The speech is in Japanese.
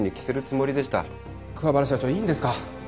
桑原社長いいんですか？